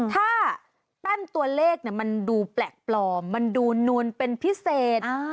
ถ้าแป้นตัวเลขมันดูแปลกปลอมมันดูนวลเป็นพิเศษ